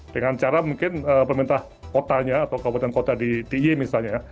dengan cara mungkin pemerintah kotanya atau kabupaten kota di yogyakarta misalnya ya